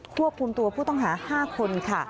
ควบคุมตัวผู้ต้องหา๕คนค่ะ